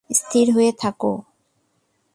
স্থির হয়ে থাকো।